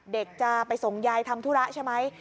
เด็กจะไปส่งยายทำธุระใช่ไหม